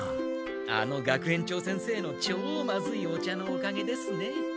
あの学園長先生の超まずいお茶のおかげですね。